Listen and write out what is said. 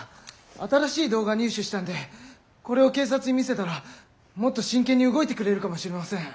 新しい動画入手したんでこれを警察に見せたらもっと真剣に動いてくれるかもしれません。